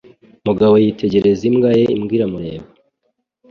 Mugabo yitegereza imbwa ye imbwa iramureba.